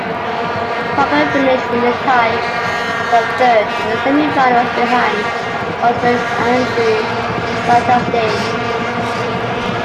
Crocker finished in a tie for third in the semi-finals, behind Australia's Andrew Lauterstein.